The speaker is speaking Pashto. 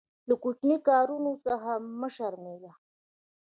له کوچنیو کارونو څخه مه شرمېږه.